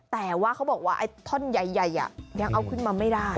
แต่ว่าเขาบอกว่าไอ้ท่อนใหญ่ยังเอาขึ้นมาไม่ได้